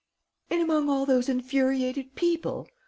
"In among all those infuriated people?"